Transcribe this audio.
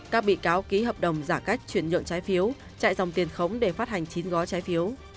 các bị cáo ký hợp đồng giả cách chuyển nhượng trái phiếu chạy dòng tiền khống để phát hành chín gói trái phiếu